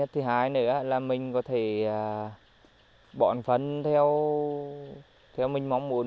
thứ hai nữa là mình có thể bón phân theo mình mong muốn